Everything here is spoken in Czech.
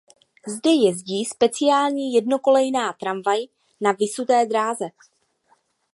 Zde jezdí speciální jednokolejná tramvaj na visuté dráze.